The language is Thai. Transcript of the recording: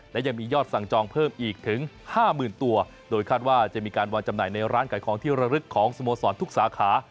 และยังมียอดสั่งจองเพิ่มอีกถึงห้าหมื่นตัวโดยคาดว่าจะมีการวางจำหน่ายในร้านขายของที่ระลึกของสโมสรทุกสาขา